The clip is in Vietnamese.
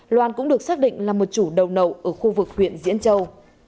loan cũng được xác định là một chủ đầu nậu ở khu vực huyện diễn châu